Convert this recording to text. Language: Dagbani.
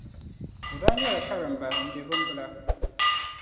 O daa nyɛla karimba m-be Bimbila.